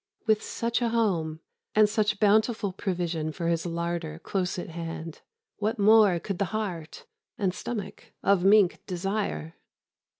With such a home and such bountiful provision for his larder close at hand, what more could the heart and stomach of mink desire?